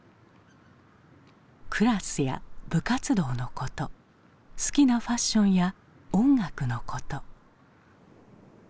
クラスや部活動のこと好きなファッションや音楽のこと。